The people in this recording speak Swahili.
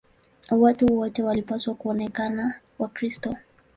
Watu wote walipaswa kuonekana Wakristo.